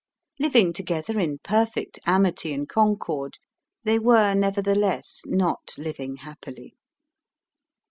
Living together in perfect amity and concord, they were nevertheless not living happily.